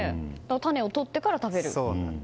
種をとってから食べる。